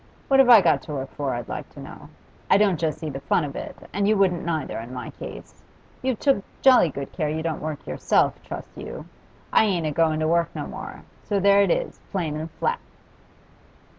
What have I got to work for, I'd like to know? I don't just see the fun of it, and you wouldn't neither, in my case. You've took jolly good care you don't work yourself, trust you! I ain't a going to work no more, so there it is, plain and flat.